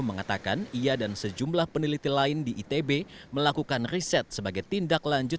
mengatakan ia dan sejumlah peneliti lain di itb melakukan riset sebagai tindak lanjut